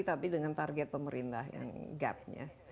tapi dengan target pemerintah yang gapnya